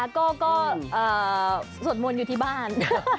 ก็สวดมนต์อยู่ที่บ้าน